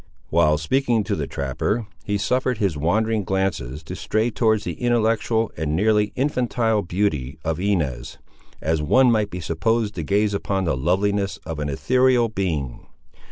While speaking to the trapper he suffered his wandering glances to stray towards the intellectual and nearly infantile beauty of Inez, as one might be supposed to gaze upon the loveliness of an ethereal being.